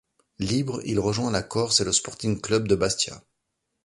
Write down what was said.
Libre, il rejoint la Corse et le Sporting Club de Bastia.